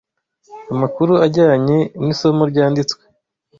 Amakuru ajyanye nisomo ryanditswe